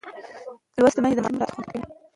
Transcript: لوستې میندې د ماشوم راتلونکی خوندي کوي.